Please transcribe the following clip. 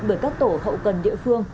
bởi các tổ hậu cần địa phương